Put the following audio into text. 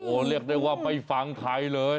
เรียกได้ว่าไม่ฟังใครเลย